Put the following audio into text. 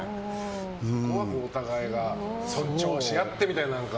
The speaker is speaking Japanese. すごくお互いが尊重し合ってみたいな。